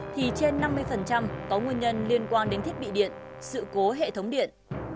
thì trên năm mươi có nguyên nhân liên quan đến thiết bị điện sự cố hệ thống điện